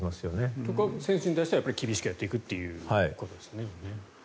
そこは選手に対しては厳しくやっていくということですもんね。